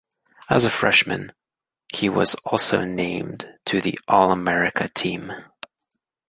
As a freshman, he was also named to the All-America team.